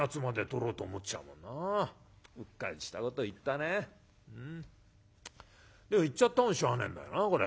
でも言っちゃったもんはしょうがねえんだよなこれ。